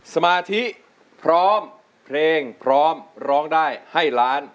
สมาธิพร้อมเพลงพร้อมร้องได้ให้ล้าน